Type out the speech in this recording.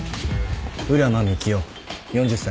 浦真幹夫４０歳。